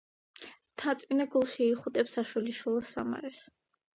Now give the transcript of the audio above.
მთაწმინდა გულში იხუტებს საშვილიშვილო სამარეს.